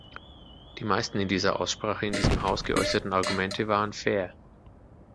Die meisten in dieser Aussprache in diesem Haus geäußerten Argumente waren fair.